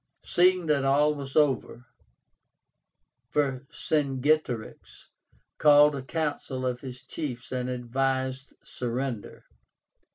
Seeing that all was over, Vercingetorix called a council of his chiefs and advised surrender.